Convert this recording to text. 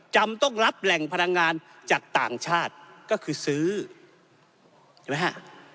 จำต้องรับแหล่งพลังงานจากต่างชาติก็คือซื้อใช่ไหมฮะ